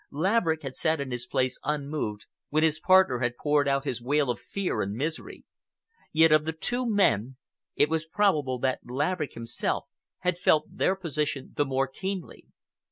Laverick had sat in his place unmoved when his partner had poured out his wail of fear and misery. Yet of the two men it was probable that Laverick himself had felt their position the more keenly.